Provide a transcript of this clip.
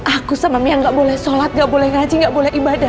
aku sama mia gak boleh sholat gak boleh ngaji nggak boleh ibadah